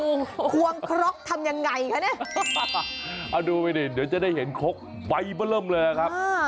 โอ้โหควงครกทำยังไงคะเนี่ยเอาดูไว้ดิเดี๋ยวจะได้เห็นครกไวบร่ำเลยนะครับ